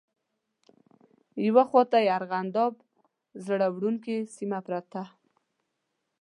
یوه خواته یې ارغنداب زړه وړونکې سیمه پرته.